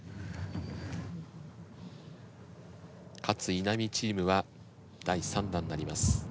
勝・稲見チームは第３打になります